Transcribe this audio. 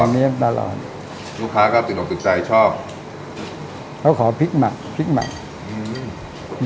อย่างงี้ตลอดลูกค้าก็ตื่นออกตื่นใจชอบเขาขอพริกหมักพริกหมักอืม